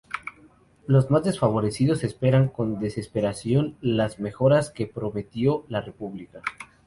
Los más desfavorecidos esperaban con desesperación las mejoras que prometió la República.